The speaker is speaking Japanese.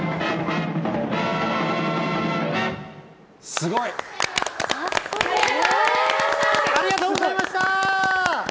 すごい！ありがとうございました。